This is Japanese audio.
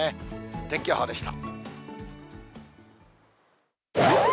天気予報でした。